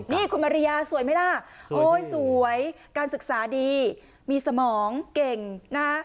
นี่คุณมาริยาสวยไหมล่ะโอ๊ยสวยการศึกษาดีมีสมองเก่งนะฮะ